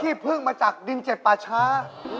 พึ่งมาจากดินเจ็ดป่าช้า